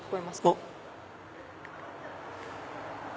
あっ。